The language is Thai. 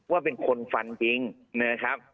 ว่าเป็นคนฟันจริงนะครับ